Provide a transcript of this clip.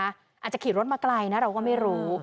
อาจจะขี่รถมาไกลนะเราก็ไม่รู้